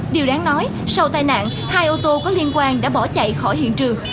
điều đáng nói sau tai nạn hai ô tô có liên quan đã bỏ chạy khỏi hiện trường